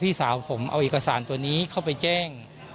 พี่สาวผมเอาเอกสารตัวนี้เข้าไปแจ้ง